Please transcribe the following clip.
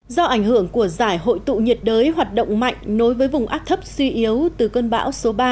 do ảnh hưởng của giải hội tụ nhiệt đới hoạt động mạnh nối với vùng áp thấp suy yếu từ cơn bão số ba